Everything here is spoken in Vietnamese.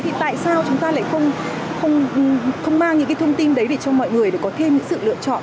thì tại sao chúng ta lại không mang những cái thông tin đấy để cho mọi người để có thêm sự lựa chọn